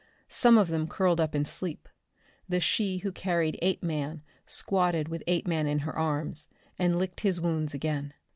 Some of them curled up in sleep. The she who carried Apeman squatted with Apeman in her arms, and licked his wounds again.